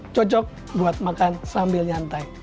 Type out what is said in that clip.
cocok buat makan sambil nyantai